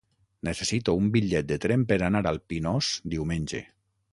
Necessito un bitllet de tren per anar al Pinós diumenge.